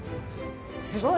すごい。